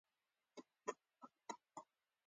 ما ویل که دروند وي، نو ګرانه ده یارانه.